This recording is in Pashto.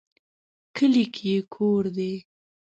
کلي کې یې کور دی